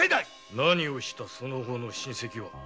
何をしたその方の親類は。